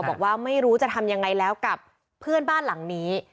บอกว่าไม่รู้จะทำยังไงแล้วกับเพื่อนบ้านหลังนี้